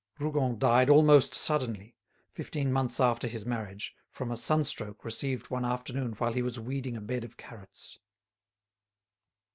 Rougon died almost suddenly, fifteen months after his marriage, from a sunstroke received one afternoon while he was weeding a bed of carrots.